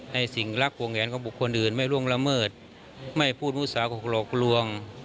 ในสิ่งรักวงแหงของบุคคลอื่นไม่ร่วงละเมิดไม่พูดมุสาของหลอกลวง